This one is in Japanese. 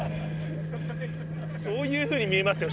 そういうふうに見えますよ